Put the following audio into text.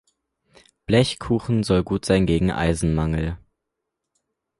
Blechkuchen soll gut sein gegen Eisenmangel.